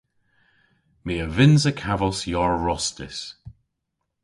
My a vynnsa kavos yar rostys.